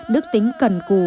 đức tính cần cù